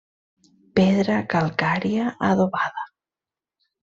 Pedra calcària adobada.